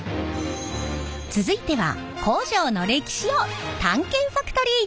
続いては工場の歴史を探検ファクトリー！